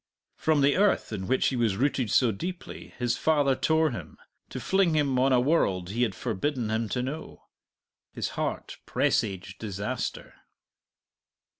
From the earth in which he was rooted so deeply his father tore him, to fling him on a world he had forbidden him to know. His heart presaged disaster.